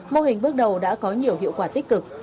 mô hình bước đầu đã có nhiều hiệu quả tích cực